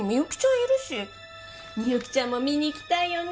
いるしみゆきちゃんも見に行きたいよね